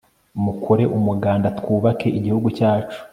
mukore umuganda twubake igihugu cyacu